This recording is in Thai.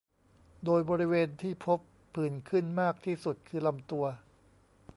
โดยบริเวณที่พบผื่นขึ้นมากที่สุดคือลำตัว